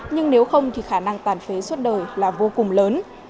nhưng nếu không thì khả năng tàn phế suốt đời là vô cùng lớn